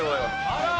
あら！